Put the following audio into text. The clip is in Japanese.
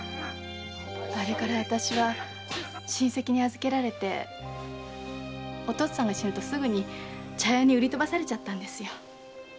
あれからあたしは親戚に預けられてお父っつぁんが死ぬとすぐに茶屋に売り飛ばされたんですよ。